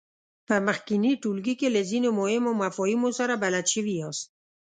په مخکېني ټولګي کې له ځینو مهمو مفاهیمو سره بلد شوي یاست.